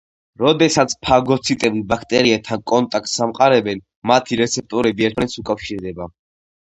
როდესაც ფაგოციტები ბაქტერიებთან კონტაქტს ამყარებენ, მათი რეცეპტორები ერთმანეთს უკავშირდება.